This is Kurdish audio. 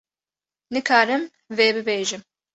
- Nikarim vê bibêjim.